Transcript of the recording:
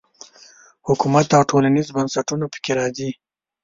حکومت او ټولنیز بنسټونه په کې راځي.